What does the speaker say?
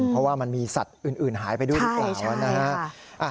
เพราะว่ามันมีสัตว์อื่นหายไปด้วยหรือเปล่านะฮะ